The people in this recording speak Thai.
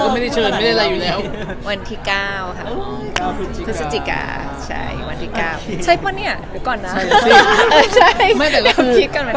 ไม่บอกวันจริงหรอ